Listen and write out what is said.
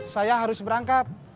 saya harus berangkat